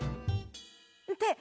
って